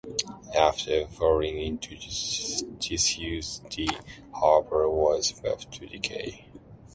After falling into disuse the harbour was left to decay.